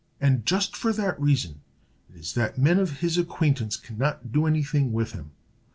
"And just for that reason it is that men of his acquaintance cannot do any thing with him.